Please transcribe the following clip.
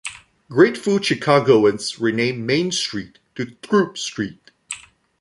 Grateful Chicagoans renamed Main Street to Throop Street.